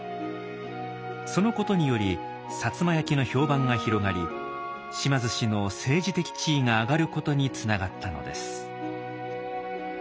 そのことにより摩焼の評判が広がり島津氏の政治的地位が上がることにつながったのです。